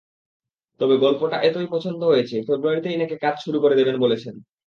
তবে গল্পটা এতই পছন্দ হয়েছে, ফেব্রুয়ারিতেই নাকি কাজ শুরু করে দেবেন বলেছেন।